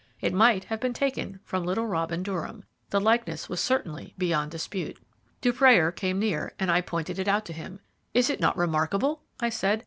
It might have been taken from little Robin Durham. The likeness was certainly beyond dispute. Dufrayer came near, and I pointed it out to him. "Is it not remarkable?" I said.